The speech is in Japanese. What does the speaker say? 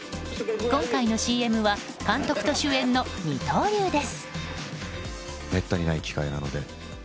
今回のＣＭは監督と主演の二刀流です。